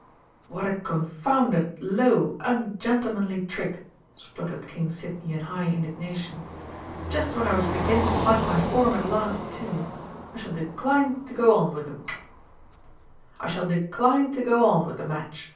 "What a confounded low, ungentlemanly trick!" spluttered King Sidney in high indignation. "Just when I was beginning to find my form at last, too! I shall decline to go on with the match.